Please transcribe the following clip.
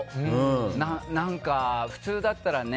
何か、普通だったらね